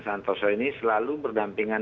santoso ini selalu berdampingan